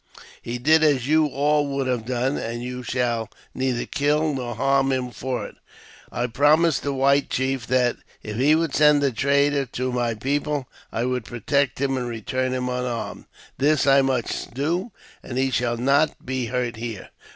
He did as you all would have done, and you shall neither kill nor harm him for it. I promised the white chief that, if he would send a trader to my people, I would protect him and return him unharmed; this I must do, and he shall not be hurt here.